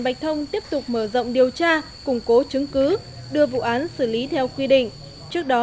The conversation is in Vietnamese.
bạch thông tiếp tục mở rộng điều tra củng cố chứng cứ đưa vụ án xử lý theo quy định trước đó